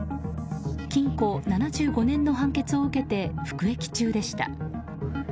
禁錮７５年の判決を受けて服役中でした。